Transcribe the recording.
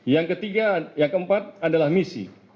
yang ketiga yang keempat adalah misi